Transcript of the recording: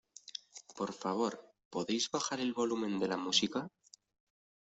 Por favor, ¿podéis bajar el volumen de la música?